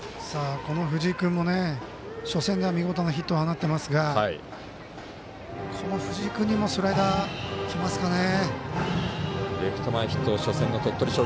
藤井君も初戦では見事なヒット、放っていますがこの藤井君にもスライダーきますかね。